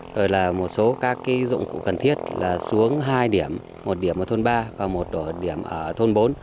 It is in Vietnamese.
rồi là một số các dụng cụ cần thiết là xuống hai điểm một điểm ở thôn ba và một điểm ở thôn bốn